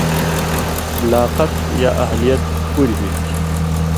لاقَت یا اہلیت پُوریۡ ہُوئ تھی،